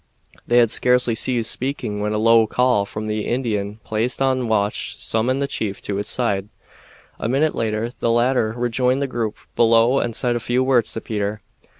They had scarcely ceased speaking when a low call from the Indian placed on watch summoned the chief to his side. A minute later the latter rejoined the group below and said a few words to Peter.